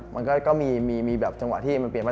มันก็มีแบบจังหวะที่มันเปลี่ยนมา